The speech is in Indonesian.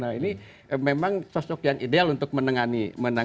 nah ini memang sosok yang ideal untuk menengani